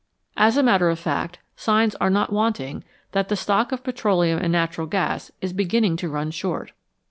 As a matter of fact, signs are not wanting that the stock of petroleum and natural gas is beginning to run short.